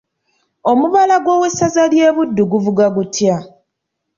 Omubala gw'Owessaza ly'e buddu guvuga gutya?